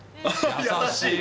優しい。